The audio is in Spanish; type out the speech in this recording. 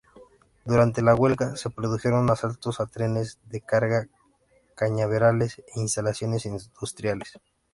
Durante la huelga se produjeron asaltos a trenes de carga, cañaverales e instalaciones industriales.